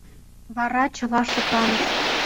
Вара чыла шыпланыш.